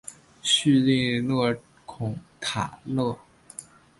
叙里勒孔塔勒。